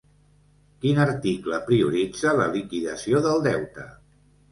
Quin article prioritza la liquidació del deute?